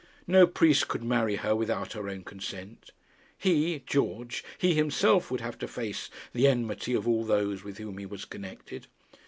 No priest could marry her without her own consent. He George he himself would have to face the enmity of all those with whom he was connected.